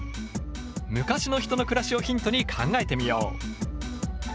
昔の人の暮らしをヒントに考えてみよう。